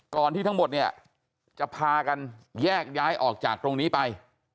ที่ทั้งหมดเนี่ยจะพากันแยกย้ายออกจากตรงนี้ไป